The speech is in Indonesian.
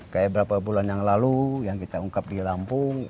kayak berapa bulan yang lalu yang kita ungkap di lampung